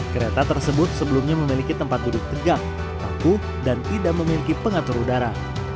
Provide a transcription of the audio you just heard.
kereta tersebut sebelumnya memiliki tempat duduk tegak kaku dan tidak memiliki pengatur udara